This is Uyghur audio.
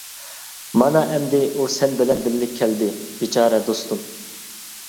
مانا ئەمدى ئۇ سەن بىلەن بىللە كەلدى، بىچارە دوستۇم!